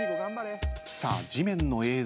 さあ地面の映像。